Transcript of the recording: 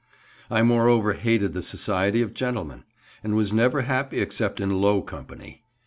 I moreover hated the society of gentlemen, and was never happy except in low company.